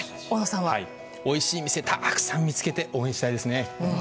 おいしい店たくさん見つけて応援したいですね。